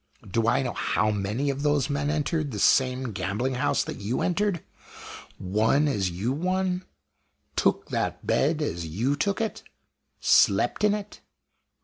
Do I know how many of those men entered the same gambling house that you entered? won as you won? took that bed as you took it? slept in it?